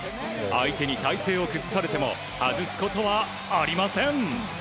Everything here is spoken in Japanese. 相手に体勢を崩されても外すことはありません。